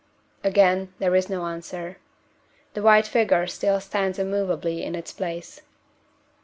Again there is no answer. The white figure still stands immovably in its place.